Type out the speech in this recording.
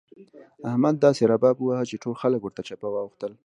احمد داسې رباب وواهه چې ټول خلګ ورته چپه واوښتل.